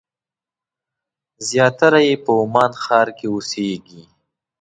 زیاتره یې په عمان ښار کې اوسېږي.